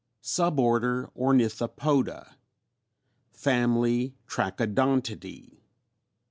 _Sub Order Ornithopoda; Family Trachodontidæ.